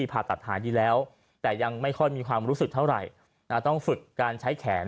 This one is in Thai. ผ่าตัดหายดีแล้วแต่ยังไม่ค่อยมีความรู้สึกเท่าไหร่ต้องฝึกการใช้แขน